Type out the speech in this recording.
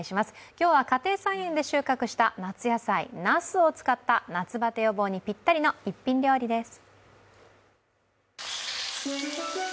今日は家庭菜園で収穫した夏野菜なすを使った夏バテ予防にぴったりの一品料理です。